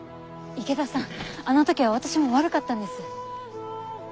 池田さんあの時は私も悪かったんです。